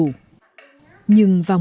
nhưng vào mùa trời các em không có thể đi học